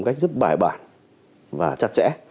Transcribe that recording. một cách rất bài bản và chặt chẽ